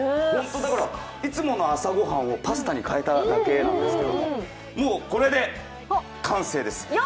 ホントだから、いつもの朝御飯をパスタに変えただけですけどもうこれで完成です。